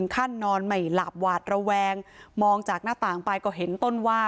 นอนไม่หลับหวาดระแวงมองจากหน้าต่างไปก็เห็นต้นว่า